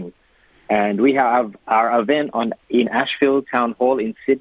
dan kami memiliki acara di ashfield town hall di sydney